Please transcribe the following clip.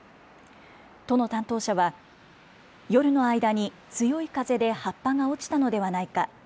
都の担当者は、夜の間に強い風で葉っぱが落ちたのではないか。